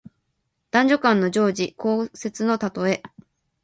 男女間の情事、交接のたとえ。